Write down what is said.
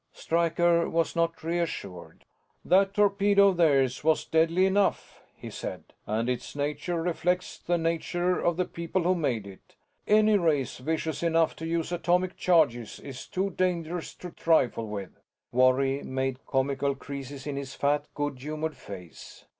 Stryker was not reassured. "That torpedo of theirs was deadly enough," he said. "And its nature reflects the nature of the people who made it. Any race vicious enough to use atomic charges is too dangerous to trifle with." Worry made comical creases in his fat, good humored face.